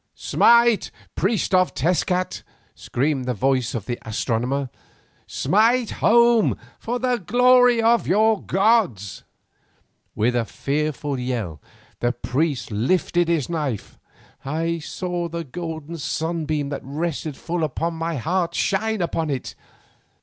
"Smite, priest of Tezcat," screamed the voice of the astronomer; "smite home for the glory of your gods!" With a fearful yell the priest lifted the knife; I saw the golden sunbeam that rested full upon my heart shine on it.